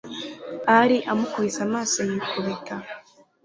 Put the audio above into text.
ari amukubise amaso yikubita